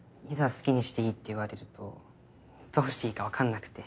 好きにしていいって言われるとどうしていいかわからなくて。